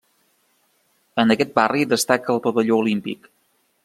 En aquest barri destaca el Pavelló Olímpic.